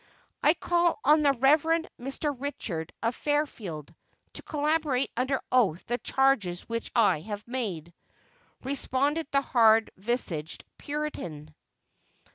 "I call on the Rev. Mr. Richard, of Fairfield, to corroborate under oath the charges which I have made," responded the hard visaged Puritan.